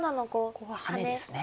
ここはハネですね。